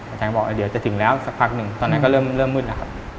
อาจารย์ก็บอกเดี๋ยวจะถึงแล้วสักพักหนึ่งตอนนั้นก็เริ่มมืดนะครับ